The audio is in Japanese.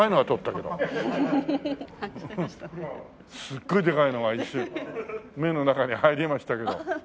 すごいでかいのが一瞬目の中に入りましたけど。